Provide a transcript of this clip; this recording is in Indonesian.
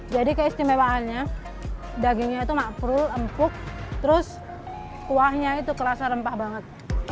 jadi keistimewaannya dagingnya itu makrul empuk terus kuahnya itu kerasa rempah banget